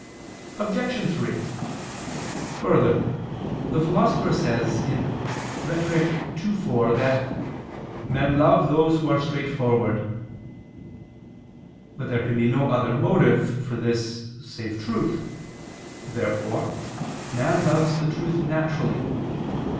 Obj. 3: Further, the Philosopher says (Rhet. ii, 4) that "men love those who are straightforward." But there can be no other motive for this save truth. Therefore man loves the truth naturally.